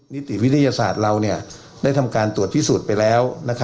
นิติวิทยาศาสตร์เราได้ทำการตรวจพิสูจน์ไปแล้ว